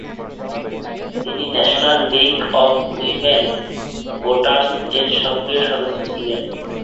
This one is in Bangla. তিনি national league of women voters এর সক্রিয় সদস্য ছিলেন।